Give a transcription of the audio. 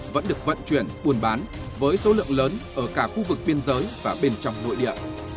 vẫn được vận chuyển buôn bán với số lượng lớn ở cả khu vực biên giới và bên trong nội địa